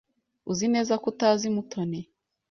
Uzi neza ko utazi Mutoni?